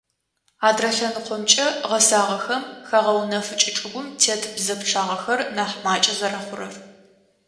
Адрэ лъэныкъомкӏэ - гъэсагъэхэм хагъэунэфыкӏы чӏыгум тет бзэ пчъагъэр нахь макӏэ зэрэхъурэр.